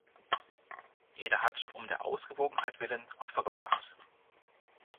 Jeder hat um der Ausgewogenheit willen Opfer gebracht.